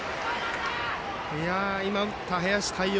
今、打った林大遥